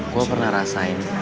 gue pernah rasain